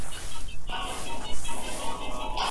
زده کوونکو خپلو ښوونځیو ته تګ کاوه.